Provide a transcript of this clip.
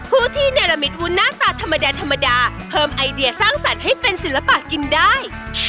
ผู้ที่เนรมิตวุ้นหน้าตาธรรมดาธรรมดาเพิ่มไอเดียสร้างสรรค์ให้เป็นศิลปะกินได้